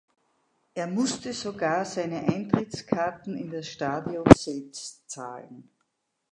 Er musste sogar sein Eintrittskarten in Stadion selbst zahlen.